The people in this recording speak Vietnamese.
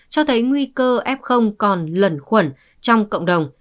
cho thấy nguy cơ f còn lần khuất trong cộng đồng